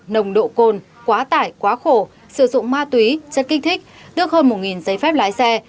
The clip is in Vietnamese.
nồng độ cồn quá tải quá khổ sử dụng ma túy chất kích thích tước hơn một giấy phép lái xe